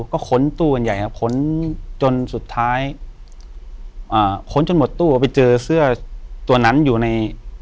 ก็ค้นตู้กันใหญ่ครับค้นจนสุดท้ายค้นจนหมดตู้ไปเจอเสื้อตัวนั้นอยู่ใน